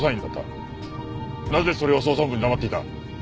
なぜそれを捜査本部に黙っていた？